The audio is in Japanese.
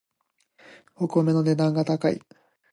お米の値段が高い